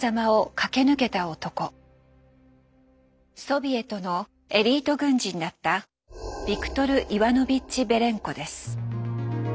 ソビエトのエリート軍人だったビクトル・イワノビッチ・ベレンコです。